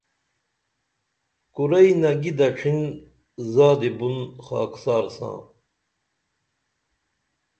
کورئی نگی دڇھن زادی بُن خاکسار ساں